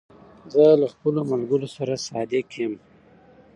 زه له خپلو ملګرو سره صادق یم.